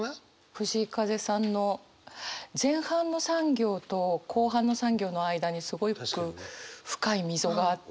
藤井風さんの前半の３行と後半の３行の間にすごく深い溝があって。